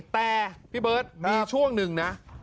แต่พี่เบิร์ตมีช่วงหนึ่งนะ